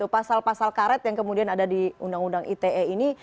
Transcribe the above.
pasal pasal karet yang kemudian ada di undang undang ite ini